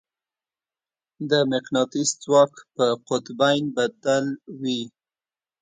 د مقناطیس ځواک په قطبین بدل وي.